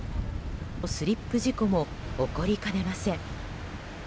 スリップ事故も起こりかねません。